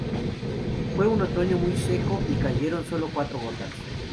Fue un otoño muy seco y cayeron solo cuatro gotas